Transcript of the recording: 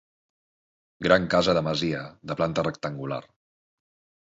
Gran casa de masia, de planta rectangular.